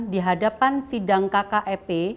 di hadapan sidang kkep